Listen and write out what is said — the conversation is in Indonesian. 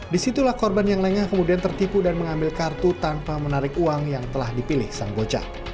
disitulah korban yang lengah kemudian tertipu dan mengambil kartu tanpa menarik uang yang telah dipilih sang bocah